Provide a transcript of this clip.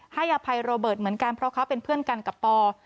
อภัยโรเบิร์ตเหมือนกันเพราะเขาเป็นเพื่อนกันกับปอ